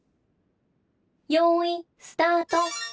「よいスタート！」。